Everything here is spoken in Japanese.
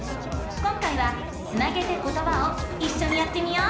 今回は「つなげてことば」をいっしょにやってみよう！